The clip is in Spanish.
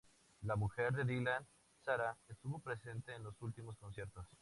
La mujer de Dylan, Sara, estuvo presente en los últimos conciertos.